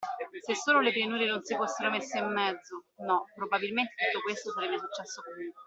Se solo le pianure non si fossero messe in mezzo… No, probabilmente tutto questo sarebbe successo comunque.